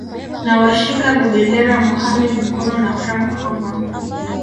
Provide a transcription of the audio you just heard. na washika vibendera Mohamed Mkono na Frank Komba